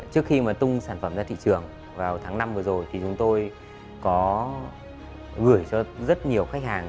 trước khi mà tung sản phẩm ra thị trường vào tháng năm vừa rồi thì chúng tôi có gửi cho rất nhiều khách hàng